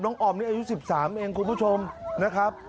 อ๋อมนี่อายุ๑๓เองคุณผู้ชมนะครับ